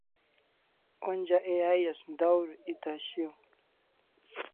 Onja AI as da'ur ets shiau